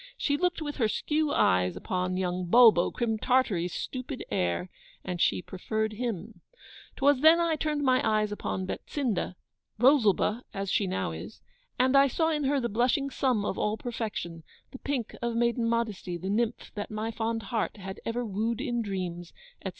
She looked with her skew eyes upon young Bulbo, Crim Tartary's stupid heir, and she preferred him.' Twas then I turned my eyes upon Betsinda Rosalba, as she now is. And I saw in her the blushing sum of all perfection; the pink of maiden modesty; the nymph that my fond heart had ever woo'd in dreams,' etc.